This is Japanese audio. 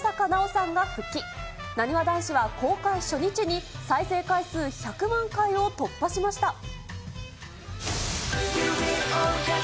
なにわ男子は公開初日に再生回数１００万回を突破しました。